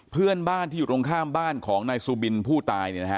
เพื่อนบ้านที่อยู่ตรงข้ามบ้านของนายซูบินผู้ตาย